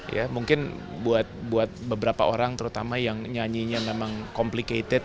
ya mungkin buat beberapa orang terutama yang nyanyinya memang complicated